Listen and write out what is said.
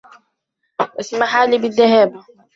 اسمحالي بالذّهاب.